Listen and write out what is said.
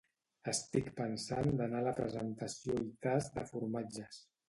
Estic pensant d'anar a la presentació i tast de formatges